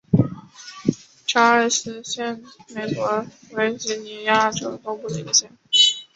查尔斯城县位美国维吉尼亚州东部的一个县。